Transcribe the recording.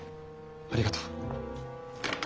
ありがとう。